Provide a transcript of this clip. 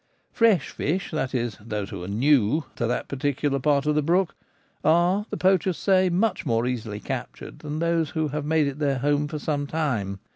Fresh fish — that is, those who are new to that particular part of the brook — are, the poachers say, much more easily captured than those who have made it their home for some time.